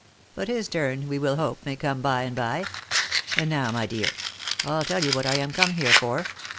But his turn, we will hope, may come by and by. And now, my dear, I'll tell you what I am come here for.